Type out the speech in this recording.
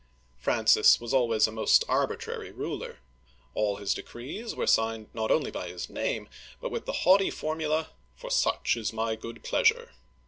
^ Francis was always a most arbitrary ruler. All his de crees were signed not only by his name, but with the haughty formula, " For such is my good pleasure